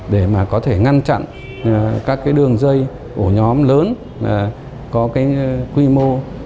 để mà có thể ngăn chặn các cái đường dây ổ nhóm lớn có cái quy mô